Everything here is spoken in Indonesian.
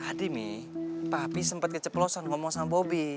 tadi mi papi sempet keceplosan ngomong sama bobi